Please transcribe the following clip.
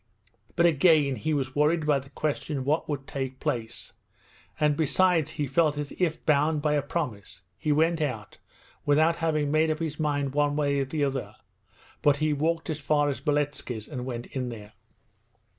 But again he was worried by the question of what would take place; and besides he felt as if bound by a promise. He went out without having made up his mind one way or the other, but he walked as far as Beletski's, and went in there.